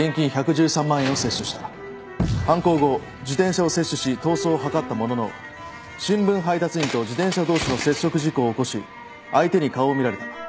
犯行後自転車を窃取し逃走を図ったものの新聞配達員と自転車同士の接触事故を起こし相手に顔を見られた。